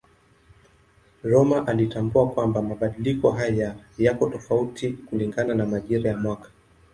Rømer alitambua kwamba mabadiliko haya yako tofauti kulingana na majira ya mwaka.